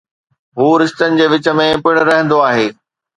هو رشتن جي وچ ۾ پڻ رهندو آهي.